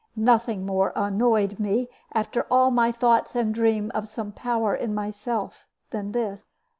Nothing more annoyed me, after all my thoughts and dream of some power in myself, than this.